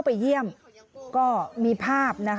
มึงอยากให้ผู้ห่างติดคุกหรอ